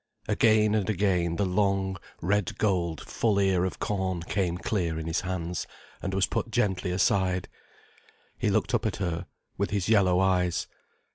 Again and again the long, red gold, full ear of corn came clear in his hands, and was put gently aside. He looked up at her, with his yellow eyes.